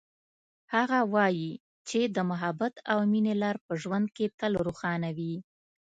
هغه وایي چې د محبت او مینې لار په ژوند کې تل روښانه وي